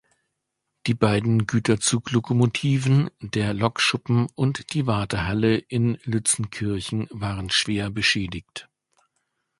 Die beiden Güterzuglokomotiven, der Lokschuppen und die Wartehalle in Lützenkirchen waren schwer beschädigt.